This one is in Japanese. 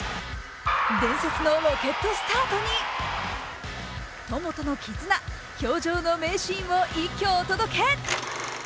伝説のロケットスタートに友との絆氷上の名シーンを一挙お届け。